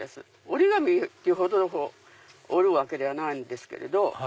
折り紙っていうほど折るわけではないんですけれど。